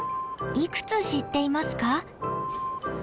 いくつ知っていますか？